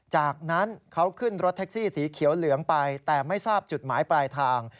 จากนั้นเขาขึ้นรถแท็กซี่สีเขียวเหลืองไปแต่ไม่ทราบจุดหมายปลายทาง